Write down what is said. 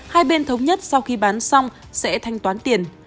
hai bên thống nhất sau khi bán xong sẽ thanh toán tiền